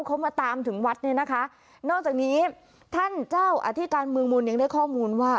เขามาตามถึงวัดเนี่ยนะคะนอกจากนี้ท่านเจ้าอธิการเมืองมูลยังได้ข้อมูลว่า